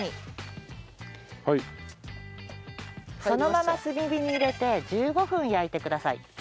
そのまま炭火に入れて１５分焼いてください。